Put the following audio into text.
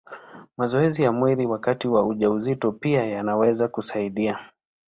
Mazoezi ya mwili wakati wa ujauzito pia yanaweza kusaidia.